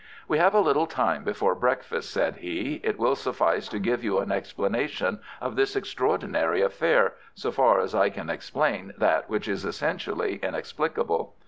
"We have a little time before breakfast," said he. "It will suffice to give you an explanation of this extraordinary affair—so far as I can explain that which is essentially inexplicable.